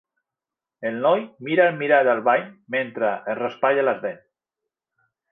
El noi mira el mirall del bany metre es raspalla les dents.